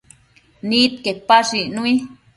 Nidquepash icnui